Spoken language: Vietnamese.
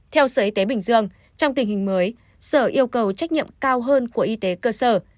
theo sở y tế bình dương trong tình hình mới sở yêu cầu trách nhiệm cao hơn của y tế cơ sở